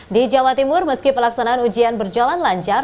di jawa timur meski pelaksanaan ujian berjalan lancar